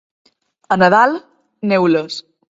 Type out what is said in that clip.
A Nadal, neules.